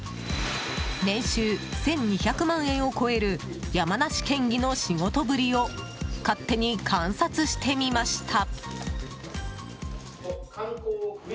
年収１２００万円を超える山梨県議の仕事ぶりを勝手に観察してみました。